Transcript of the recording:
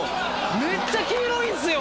めっちゃ黄色いんすよ